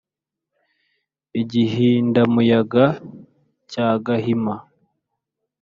i gihindamuyaga cya gahima